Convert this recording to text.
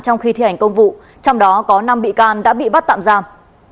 trong khi thi hành công vụ trong đó có năm bị can đã bị bắt tạm giam